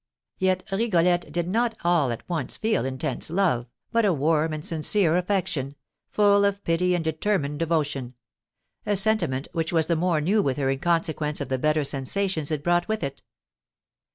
Yet Rigolette did not all at once feel intense love, but a warm and sincere affection, full of pity and determined devotion, a sentiment which was the more new with her in consequence of the better sensations it brought with it.